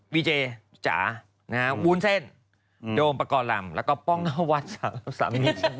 วิเจจ้าวุนเส้นโดมปักกอาร์ลัมพิจารณ์แล้วก็ป้องนาวัติสามีนนี้เช่นด้วย